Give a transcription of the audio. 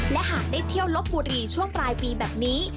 และหากได้เที่ยวลบบุรีช่วงปลายปีแบบนี้